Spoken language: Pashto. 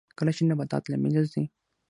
کله چې نباتات له منځه ځي